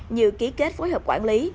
như ký kết phối hợp quản lý